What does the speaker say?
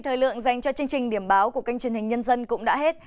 thời lượng dành cho chương trình điểm báo của kênh truyền hình nhân dân cũng đã hết